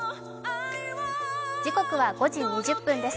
時刻は５時２０分です。